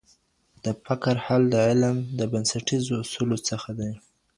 د فقر حل د علم د بنسټیزو اصولو څخه دی.